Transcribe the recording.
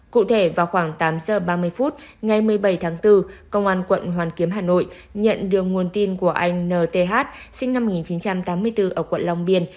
cụ thể vào khoảng tám giờ ba mươi phút ngày một mươi bảy tháng bốn công an quận hoàn kiếm hà nội nhận được nguồn tin của anh nth sinh năm một nghìn chín trăm tám mươi bốn ở quận long biên